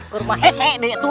ke rumah hcd